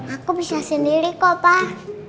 aku bisa sendiri kok pak